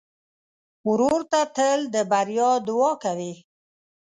ورور ته تل د بریا دعا کوې.